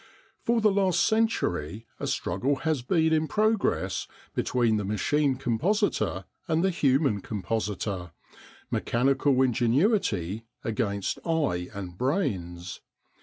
For the last century a struggle has been in progress between the machine compositor and the human compositor, mechanical ingenuity against eye and brains.